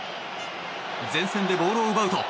前線でボールを奪うと。